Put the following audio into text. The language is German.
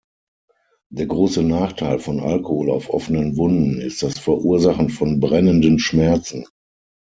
Der große Nachteil von Alkohol auf offenen Wunden ist das Verursachen von brennenden Schmerzen.